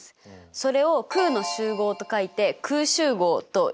それを空の集合と書いて空集合といいますよ。